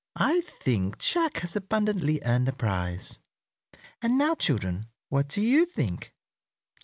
"I think Jack has abundantly earned the prize." "And now, children, what do you think?"